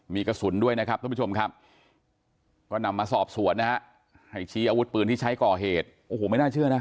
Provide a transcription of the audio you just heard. มีกระสุนด้วยนะครับทุกผู้ชม